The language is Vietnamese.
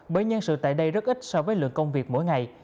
bởi nhân sự tại đây rất ít so với lượng công việc mỗi ngày